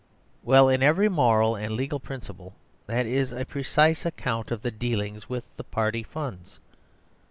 Well, in every moral and legal principle, that is a precise account of the dealings with the Party Funds.